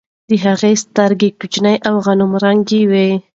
د هغې سترګې کوچنۍ او غنم رنګه وه.